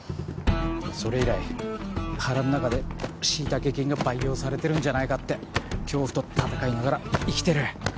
それ以来腹の中でシイタケ菌が培養されてるんじゃないかって恐怖と闘いながら生きてる。